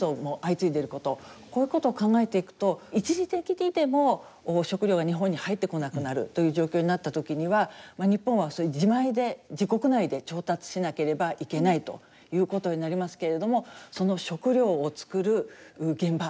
こういうことを考えていくと一時的にでも食料が日本に入ってこなくなるという状況になった時には日本は自前で自国内で調達しなければいけないということになりますけれどもその食料を作る現場